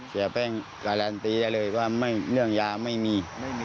เสียแป้งการันตีได้เลยว่าเรื่องยาไม่มี